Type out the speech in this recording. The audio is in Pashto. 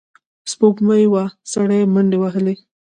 سپوږمۍ وه، سړی منډې وهلې.